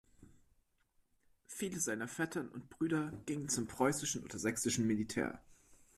Viele seiner Vettern und Brüder gingen zum preußischen oder sächsischen Militär.